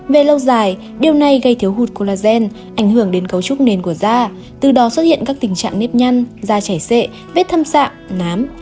về lâu dài điều này gây thiếu hụt collagen ảnh hưởng đến cấu trúc nền của da từ đó xuất hiện các tình trạng nếp nhăn da chảy xệ vết thâm xạ nám